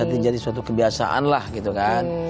ya jadi suatu kebiasaan lah gitu kan